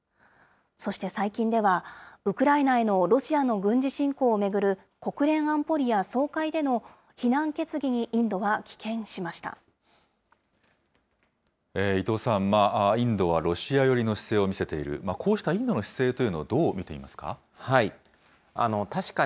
そして最近では、ウクライナへのロシアの軍事侵攻を巡る国連安保理や総会での非難伊藤さん、インドはロシア寄りの姿勢を見せている、こうしたインドの姿勢というのをどう見ていますか。